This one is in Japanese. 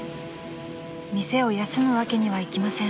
［店を休むわけにはいきません］